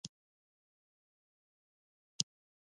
لس له سلو صدقه شه سل له زرو.